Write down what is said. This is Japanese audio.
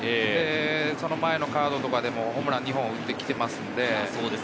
その前のカードでもホームラン２本打っています。